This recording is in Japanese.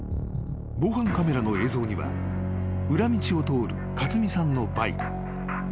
［防犯カメラの映像には裏道を通る勝美さんのバイク］